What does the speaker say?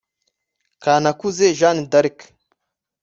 Kanakuze Jeanne d’Arc